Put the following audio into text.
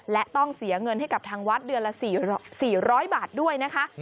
และต้องเสียเงินให้กับทางวัดเดือนละ๔๐๐บาทด้วยนะคะ